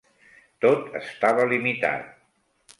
Tot estava limitat.